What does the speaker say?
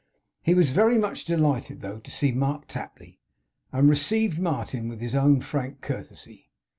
He was very much delighted, though, to see Mark Tapley; and received Martin with his own frank courtesy.